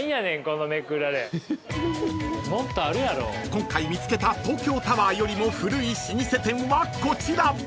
［今回見つけた東京タワーよりも古い老舗店はこちら］